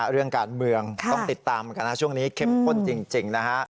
เรื่องการเมืองต้องติดตามเหมือนกันนะช่วงนี้เข้มข้นจริงนะฮะ